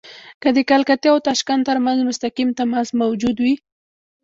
که د کلکتې او تاشکند ترمنځ مستقیم تماس موجود وي.